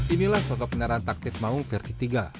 inilah sosok peneran taktis maung versi tiga